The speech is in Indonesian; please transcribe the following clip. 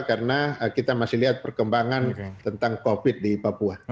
karena kita masih lihat perkembangan tentang covid di papua